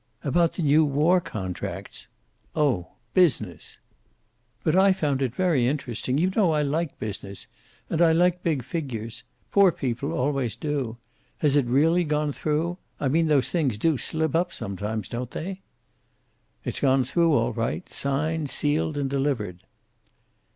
"About the new war contracts." "Oh, business!" "But I found it very interesting. You know, I like business. And I like big figures. Poor people always do. Has it really gone through? I mean, those things do slip up sometimes, don't they. "It's gone through, all right. Signed, sealed, and delivered."